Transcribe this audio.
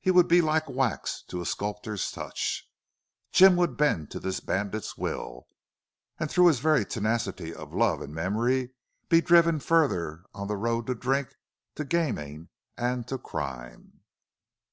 He would be like wax to a sculptor's touch. Jim would bend to this bandit's will, and through his very tenacity of love and memory be driven farther on the road to drink, to gaming, and to crime.